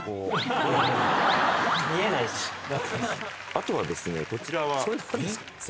あとはですねこちらは。